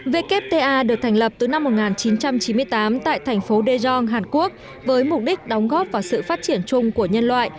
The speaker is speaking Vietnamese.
wta được thành lập từ năm một nghìn chín trăm chín mươi tám tại thành phố daejeon hàn quốc với mục đích đóng góp vào sự phát triển chung của nhân loại